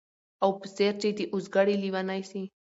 او په څېر چي د اوزګړي لېونی سي